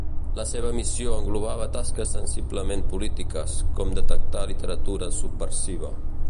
La seva missió englobava tasques sensiblement polítiques, com detectar literatura subversiva.